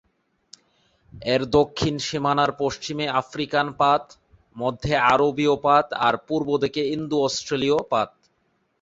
এর দক্ষিণ সীমানার পশ্চিমে আফ্রিকান পাত; মধ্যে আরবীয় পাত আর পূর্ব দিকে ইন্দো-অস্ট্রেলীয় পাত।